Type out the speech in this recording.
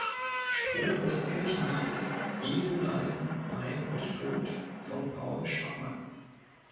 Strophe des Kirchenliedes "Jesu Leiden, Pein und Tod" von Paul Stockmann.